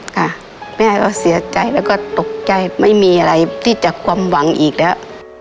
ค่ะแม่ก็เสียใจแล้วก็ตกใจไม่มีอะไรที่จะความหวังอีกแล้ว